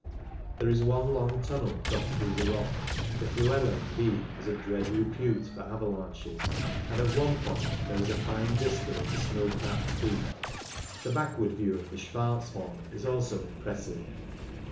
There is one long tunnel cut through the rock — the Fluela, indeed, has a dread repute for avalanches — and at one point there is a fine vista of a snow capped peak. The backward view of the Schwarzhorn is also impressive.